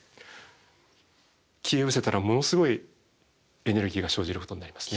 消えうせたらものすごいエネルギーが生じることになりますね。